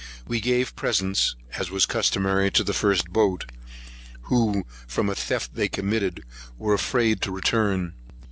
We gave presents, as customary, to the first boat; who, from a theft they committed, were afraid to return.